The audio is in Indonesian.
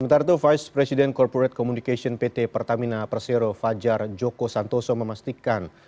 sementara itu vice president corporate communication pt pertamina persero fajar joko santoso memastikan